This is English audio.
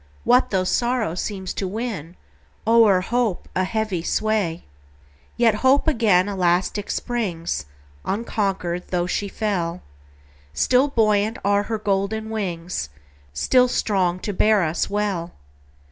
What though sorrow seems to win, O'er hope, a heavy sway? Yet Hope again elastic springs, Unconquered, though she fell; Still buoyant are her golden wings, Still strong to bear us well.